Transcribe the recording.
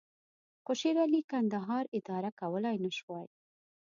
خو شېرعلي کندهار اداره کولای نه شوای.